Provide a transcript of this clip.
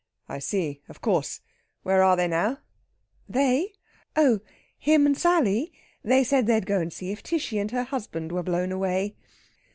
"I see. Of course. Where are they now?" "They?... oh, him and Sally! They said they'd go and see if Tishy and her husband were blown away."